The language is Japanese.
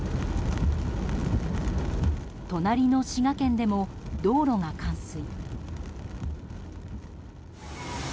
隣の滋賀県でも道路が冠水。